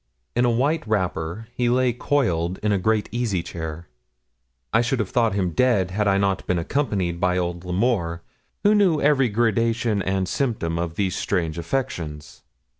In a white wrapper, he lay coiled in a great easy chair. I should have thought him dead, had I not been accompanied by old L'Amour, who knew every gradation and symptom of these strange affections.